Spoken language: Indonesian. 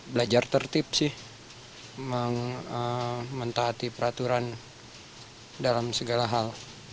belajar tertib sih mentah hati peraturan dalam segala hal